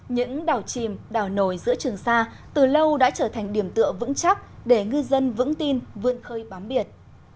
những đảo chìm đảo nồi giữa trường sa từ lâu đã trở thành điểm tựa vững chắc để ngư dân vững tin vươn khơi bám biệt